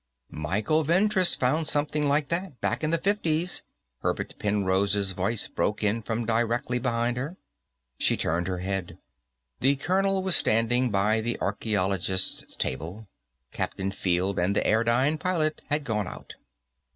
"Michael Ventris found something like that, back in the Fifties," Hubert Penrose's voice broke in from directly behind her. She turned her head. The colonel was standing by the archaeologists' table; Captain Field and the airdyne pilot had gone out.